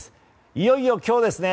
いよいよ今日ですね！